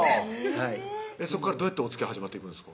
そこからどうやっておつきあい始まっていくんですか